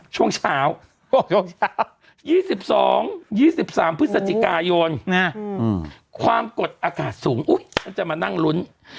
ช่วงเช้า๒๒๒๓พฤศจิกายนความกดอากาศสูงฉันจะมานั่งลุ้น